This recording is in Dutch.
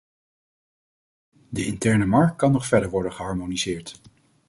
De interne markt kan nog verder worden geharmoniseerd.